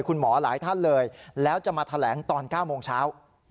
คุณหมอหลายท่านเลยแล้วจะมาแถลงตอน๙โมงเช้า